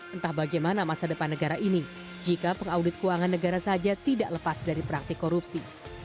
entah bagaimana masa depan negara ini jika pengaudit keuangan negara saja tidak lepas dari praktik korupsi